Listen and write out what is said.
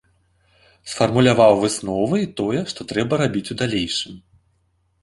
Сфармуляваў высновы і тое, што трэба рабіць у далейшым.